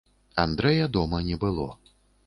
Андрэя дома не было.